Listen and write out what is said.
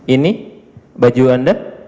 ini baju anda